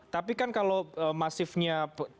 tapi kan kalau masifnya